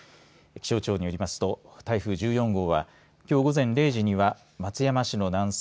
気象庁によりますと台風１４号はきょう午前０時には松山市の南西